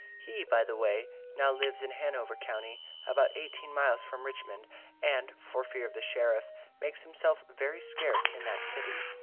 He, by the way, "now lives in Hanover county, about eighteen miles from Richmond, and for fear of the sheriff, makes himself very scarce in that city."